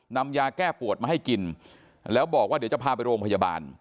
นำยาแก้ปวดมาให้กินแล้วบอกว่าเดี๋ยวจะพาไปโรงพยาบาล